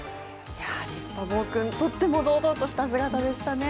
ボウ君、とっても堂々とした姿でしたね。